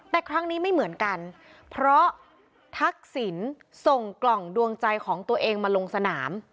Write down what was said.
แต่ครั้งนี้ไม่เหมือนกันเพราะทักษิณส่งกล่องดวงใจของตัวเองมาลงสนาม